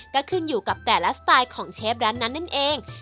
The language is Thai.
ก็ขึ้นอยู่กับแต่ละสไตล์ของเชฟร้านนั้นนั่นเอง